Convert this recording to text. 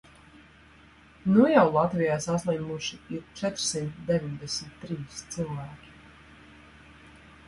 Nu jau Latvijā saslimuši ir četrsimt deviņdesmit trīs cilvēki.